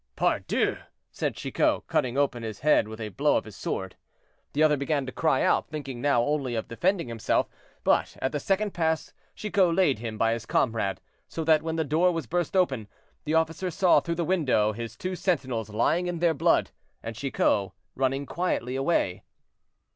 "Pardieu!" said Chicot, cutting open his head with a blow of his sword. The other began to cry out, thinking now only of defending himself, but, at the second pass, Chicot laid him by his comrade; so that when the door was burst open, the officer saw through the window his two sentinels lying in their blood, and Chicot running quietly away.